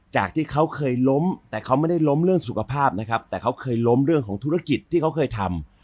จากที่เขาเคยล้มแต่เขาไม่ได้ล้มเรื่องสุขภาพนะครับแต่เขาเคยล้มเรื่องของธุรกิจที่เขาเคยทำ